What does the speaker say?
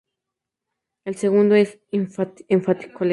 El segundo es enfático, lento.